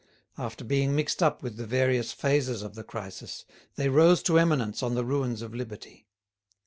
After being mixed up with the various phases of the crisis, they rose to eminence on the ruins of liberty.